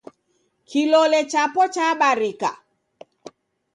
kilole chapo chabarika